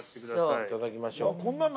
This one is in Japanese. ◆いただきましょう。